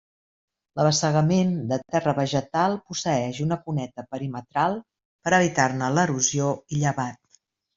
L'abassegament de terra vegetal posseïx una cuneta perimetral per a evitar-ne l'erosió i llavat.